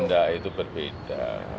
tidak itu berbeda